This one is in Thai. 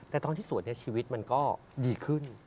แต่ตอนที่สวยชีวิตมันก็ดีขึ้น